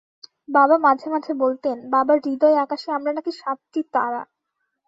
বাবা মাঝে মাঝে বলতেন, বাবার হূদয় আকাশে আমরা নাকি সাতটি তারা।